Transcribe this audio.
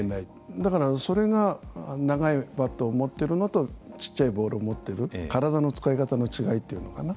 だからそれが長いバットを持ってるのとちっちゃいボールを持ってる体の使い方の違いっていうのかな？